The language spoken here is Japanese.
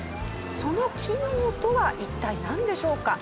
その機能とは一体なんでしょうか？